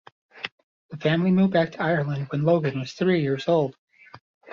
The family moved back to Ireland when Logan was three years old.